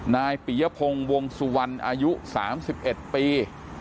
นายปียพงศ์วงสุวรรณอายุ๓๑ปี